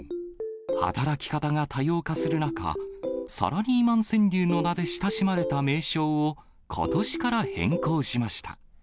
働き方が多様化する中、サラリーマン川柳の名で親しまれた名称を、ことしから変更しました。